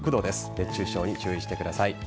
熱中症に注意してください。